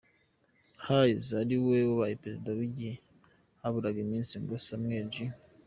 Hayes ariwe ubaye perezida mu gihe haburaga iminsi ngo Samuel J.